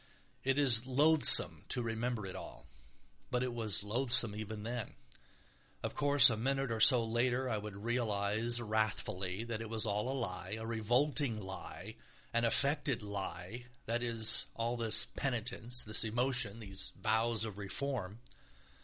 It is loathsome to remember it all, but it was loathsome even then. Of course, a minute or so later I would realise wrathfully that it was all a lie, a revolting lie, an affected lie, that is, all this penitence, this emotion, these vows of reform.